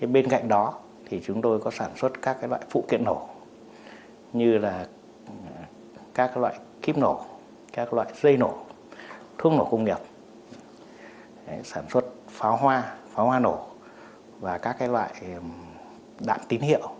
bên cạnh đó chúng tôi có sản xuất các loại phụ kiện nổ như là các loại kiếp nổ các loại dây nổ thuốc nổ công nghiệp sản xuất pháo hoa pháo hoa nổ và các loại đạn tín hiệu